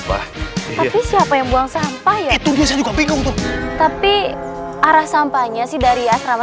wah tapi siapa yang buang sampah ya itu dia juga bingung tuh tapi arah sampahnya sih dari asrama